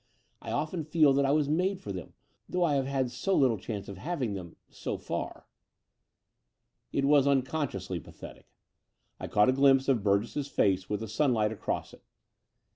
I often fed that I was made for them, though I have had so little chance of having them — so far." It was unconsciously pathetic. I caught a glimpse of Burgess's face with the sun light across it.